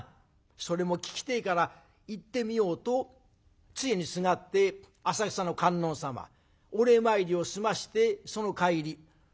それも聞きてえから行ってみよう」とつえにすがって浅草の観音様お礼参りを済ましてその帰り。